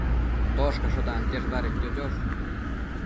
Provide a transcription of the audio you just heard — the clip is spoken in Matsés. Toshcasho tantiash badedquio chosh